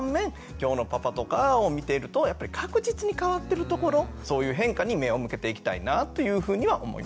今日のパパとかを見てるとやっぱり確実に変わってるところそういう変化に目を向けていきたいなというふうには思います。